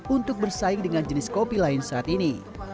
untuk bersaing dengan jenis kopi lain saat ini